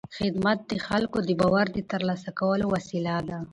خدمت د خلکو د باور د ترلاسه کولو وسیله ده.